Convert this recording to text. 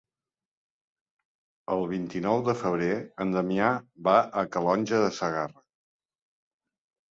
El vint-i-nou de febrer en Damià va a Calonge de Segarra.